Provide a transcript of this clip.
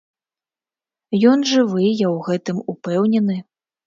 Ён жывы, я ў гэтым упэўнены.